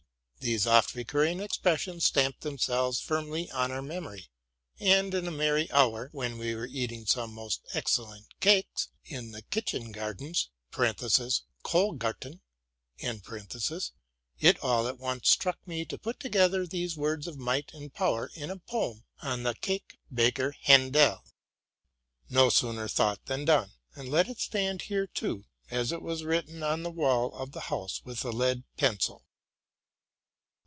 These oft recurring expressions stamped themselves firmly on our memory; and in a merry hour, when we were eating some most excellent cakes in the kitchen gardens (Mohlgarten), it all at once struck me to put together these words of might and power, ia a poem on the cake baker Hendel. No sooner thought than done! And let it stand here too, as it was written on the wall of the house with a lead pencil.